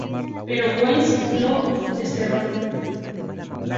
Pero Güemes lo desterró.